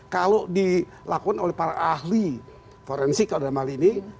kalau dilakukan oleh para ahli forensik dalam hal ini